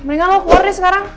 mendingan lo keluar nih sekarang